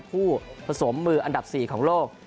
ผู้ผสมมืออันดับ๔ของโลก